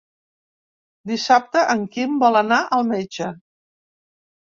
Dissabte en Quim vol anar al metge.